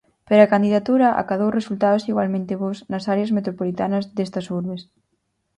Pero a candidatura acadou resultados igualmente bos nas áreas metropolitanas destas urbes.